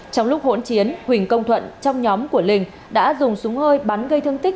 trong lúc hỗn chiến huỳnh công thuận trong nhóm của linh đã dùng súng hơi bắn gây thương tích